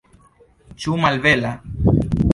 Ĉu malbela?